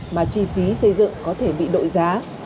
mà chi phí xây dựng có thể bị đội giá